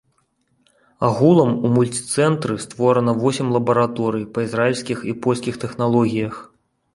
Агулам у мульціцэнтры створана восем лабараторый па ізраільскіх і польскіх тэхналогіях.